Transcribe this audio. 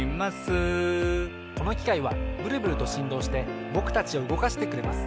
このきかいはブルブルとしんどうしてぼくたちをうごかしてくれます。